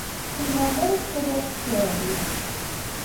Ḥemmleɣ mi ara tt-waliɣ tettɛerri.